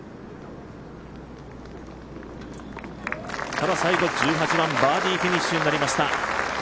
ただ最後は１８番、バーディーフィニッシュになりました。